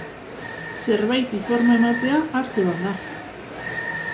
Zerbaiti forma ematea arte bat da.